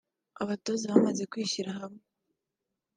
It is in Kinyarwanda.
Abatoza bamaze kwishyira hamwe